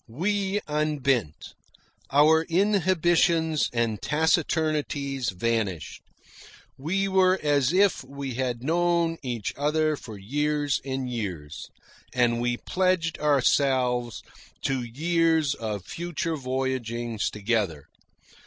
We unbent. Our inhibitions and taciturnities vanished. We were as if we had known each other for years and years, and we pledged ourselves to years of future voyagings together.